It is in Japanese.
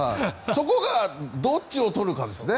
そこがどっちを取るかですね。